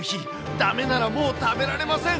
だめならもう食べられません。